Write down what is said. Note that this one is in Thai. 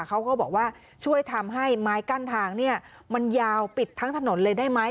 เขาก็บอกว่าช่วยทำให้ไม้กั้นทางมันยาวปิดทั้งถนนเลยได้ไหม